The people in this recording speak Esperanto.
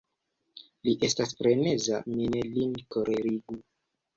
Li estas freneza; mi ne lin kolerigu.